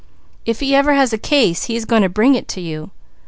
If he ever has a case he is going to bring it to you.